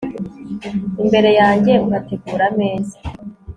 imbere yanjye uhategura ameza